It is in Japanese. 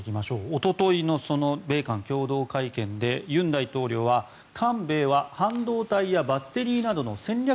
おとといの米韓共同会見で尹大統領は韓米は半導体やバッテリーなどの戦略